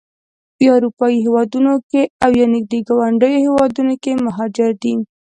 یا اروپایي هېوادونو کې او یا نږدې ګاونډیو هېوادونو کې مهاجر دي.